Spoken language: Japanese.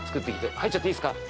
入っちゃっていいですか？